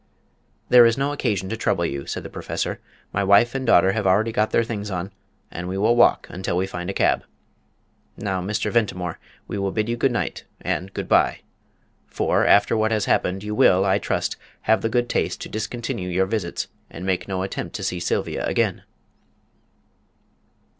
"There is no occasion to trouble you," said the Professor; "my wife and daughter have already got their things on, and we will walk until we find a cab. Now, Mr. Ventimore, we will bid you good night and good bye. For, after what has happened, you will, I trust, have the good taste to discontinue your visits and make no attempt to see Sylvia again."